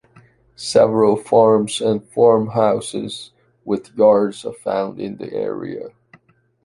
Several farms and farmhouses with yards are found in the area.